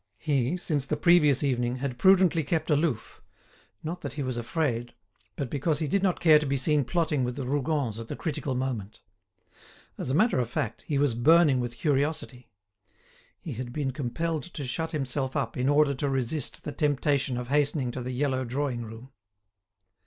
He, since the previous evening, had prudently kept aloof; not that he was afraid, but because he did not care to be seen plotting with the Rougons at the critical moment. As a matter of fact, he was burning with curiosity. He had been compelled to shut himself up in order to resist the temptation of hastening to the yellow drawing room.